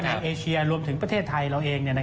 เอเชียรวมถึงประเทศไทยเราเอง